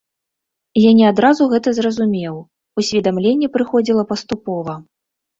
Я не адразу гэта зразумеў, усведамленне прыходзіла паступова.